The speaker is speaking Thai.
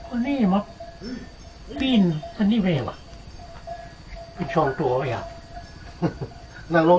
อันนี้มาปีนอันนี้ไปว่ะเป็นชวนตัวไหมอะหึหึหรือ